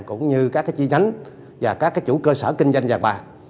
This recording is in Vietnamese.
cũng như các chi nhánh và các chủ cơ sở kinh doanh vàng bạc